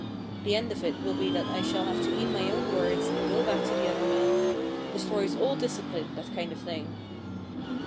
The end of it will be that I shall have to eat my own words and go back to the other man. Destroys all discipline, that kind of thing.